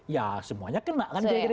ya semuanya kena